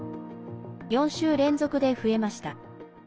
４週連続で増えました。